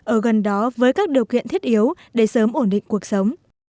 ở gần đó với các điều kiện thiết yếu để sớm ổn định cuộc sống